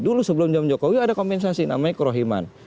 dulu sebelum jam jokowi ada kompensasi namanya kerohiman